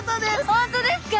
本当ですか？